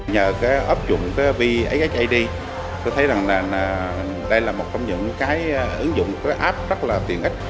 nhờ ấp dụng vhsid tôi thấy rằng đây là một trong những ứng dụng app rất là tiện ích